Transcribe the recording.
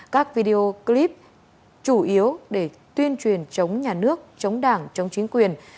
các video clip chủ yếu để tuyên truyền chống nhà nước chống đảng chống chính quyền